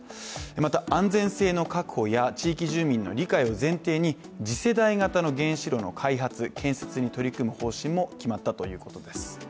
また安全性の確保や地域住民の理解を前提に次世代型の原子炉の開発・建設に取り組む方針も決まったということです。